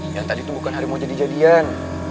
yang tadi itu bukan hari mau jadi jadian